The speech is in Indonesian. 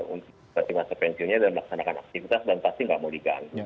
untuk masa pensiunnya dan melaksanakan aktivitas dan pasti nggak mau digali